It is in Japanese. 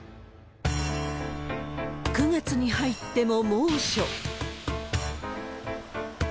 ９月に入っても猛暑。